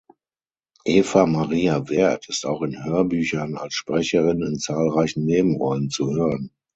Eva-Maria Werth ist auch in Hörbüchern als Sprecherin in zahlreichen Nebenrollen zu hören.